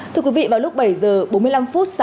thưa quý vị vào lúc bảy giờ bốn mươi năm phút